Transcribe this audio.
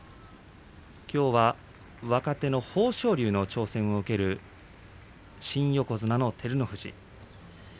きょうは若手の豊昇龍の挑戦を受ける新横綱の照ノ富士。